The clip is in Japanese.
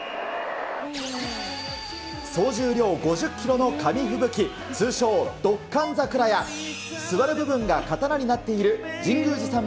総重量５０キロの紙吹雪、通称、ドッカン桜や、座る部分が刀になっている神宮寺さん